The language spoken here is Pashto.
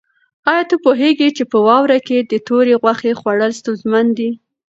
آیا ته پوهېږې چې په واوره کې د تورې غوښې خوړل ستونزمن دي؟